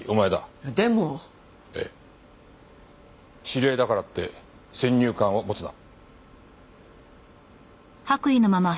知り合いだからって先入観を持つな。